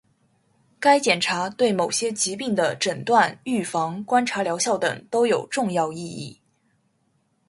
该检查对某些疾病的诊断、预防、观察疗效等都有重要意义